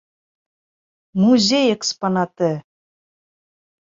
Музей экспонаты!